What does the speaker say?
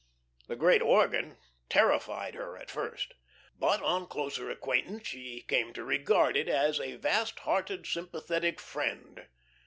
The great organ terrified her at first. But on closer acquaintance she came to regard it as a vast hearted, sympathetic friend.